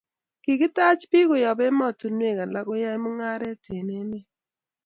kikitach pik koyab ematunywek alak koyai mungaret en emet